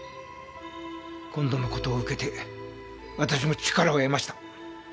今度の事を受けて私も力を得ました。